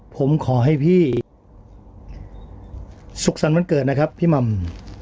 ผมขอให้พี่สุขสรรค์วันเกิดนะครับพี่หม่ำ